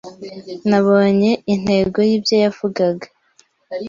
Nabonye intego y'ibyo yavugaga.